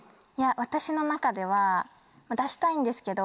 私の中では出したいんですけど。